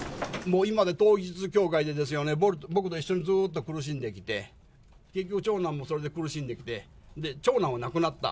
今、統一教会でですよね、僕と一緒にずっと苦しんできて、結局長男もそれで苦しんできて、長男は亡くなった。